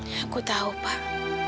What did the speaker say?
aku tahu pak